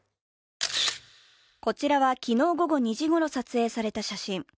こちらは昨日午後２時ごろ撮影された写真。